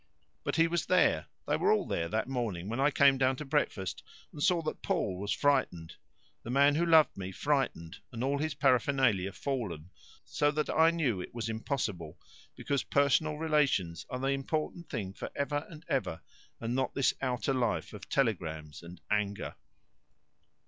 "But he was there, they were all there that morning when I came down to breakfast, and saw that Paul was frightened the man who loved me frightened and all his paraphernalia fallen, so that I knew it was impossible, because personal relations are the important thing for ever and ever, and not this outer life of telegrams and anger."